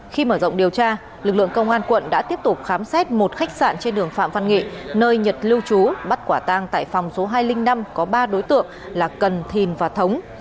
khi mở rộng điều tra lực lượng công an quận đã tiếp tục khám xét một khách sạn trên đường phạm văn nghệ nơi nhật lưu trú bắt quả tang tại phòng số hai trăm linh năm có ba đối tượng là cần thìn và thống